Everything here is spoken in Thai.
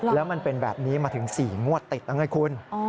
แล้วมันเป็นแบบนี้มาถึง๔งวดติดนะไงคุณ